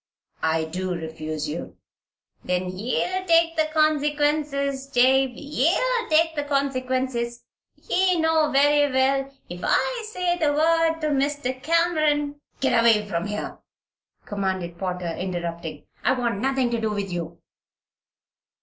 "I do refuse you." "Then ye'll take the consequences, Jabe ye'll take the consequences. Ye know very well if I say the word to Mr. Cameron " "Get away from here!" commanded Potter, interrupting. "I want nothing to do with you."